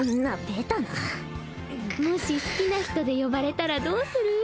ベタなもし好きな人で呼ばれたらどうする？